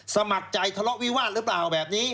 สมัครใจทะเลาะวิวาสหรือเปล่าแบบนี้